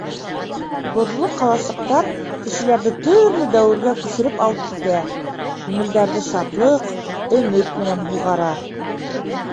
Боҙло ҡаласыҡтар кешеләрҙе төрлө дәүергә күсереп алып китә, күңелдәрҙе шатлыҡ, өмөт менән һуғара.